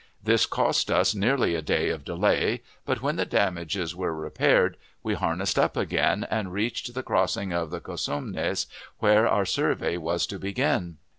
This cost us nearly a day of delay; but, when damages were repaired, we harnessed up again, and reached the crossing of the Cosumnes, where our survey was to begin.